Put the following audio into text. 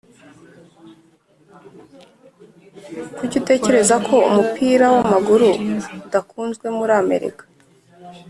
kuki utekereza ko umupira w'amaguru udakunzwe muri amerika?